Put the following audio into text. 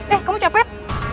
eh kamu capek